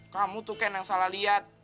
kamu tuh ken yang salah liat